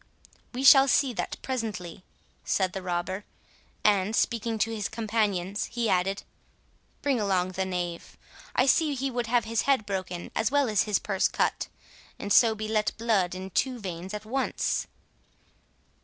"We shall see that presently," said the robber; and, speaking to his companions, he added, "bring along the knave. I see he would have his head broken, as well as his purse cut, and so be let blood in two veins at once."